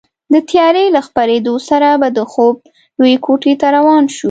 د تیارې له خپرېدو سره به د خوب لویې کوټې ته روان شوو.